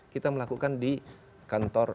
kita melakukan di kantor